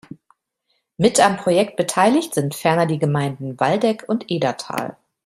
Mit am Projekt beteiligt sind ferner die Gemeinden Waldeck und Edertal.